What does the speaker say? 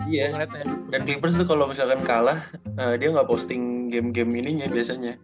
iya dan clippers tuh kalo misalkan kalah dia gak posting game game ini ya biasanya